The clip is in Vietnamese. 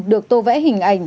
được tô vẽ hình ảnh